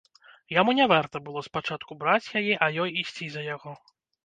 Яму не варта было спачатку браць яе, а ёй ісці за яго.